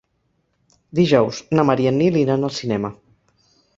Dijous na Mar i en Nil iran al cinema.